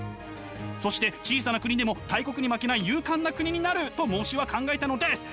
そして小さな国でも大国に負けない勇敢な国になると孟子は考えたのです。